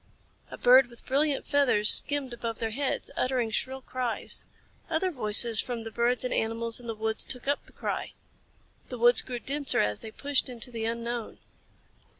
A bird with brilliant feathers skimmed above their heads, uttering shrill cries. Other voices from the birds and animals in the woods took up the cry. The woods grew denser as they pushed into the unknown.